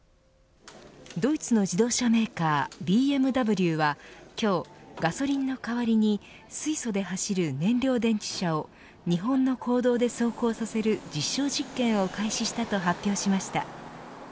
ドイツの自動車メーカーＢＭＷは、今日ガソリンの代わりに水素で走る燃料電池車を日本の公道で走行させる実証実験を開始したと発表しました。